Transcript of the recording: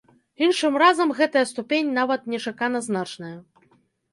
Іншым разам гэтая ступень нават нечакана значная.